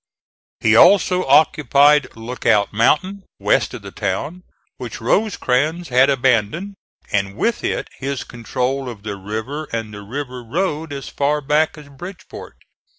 He also occupied Lookout Mountain, west of the town, which Rosecrans had abandoned, and with it his control of the river and the river road as far back as Bridgeport.